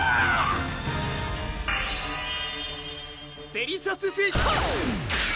デリシャスフィハッ！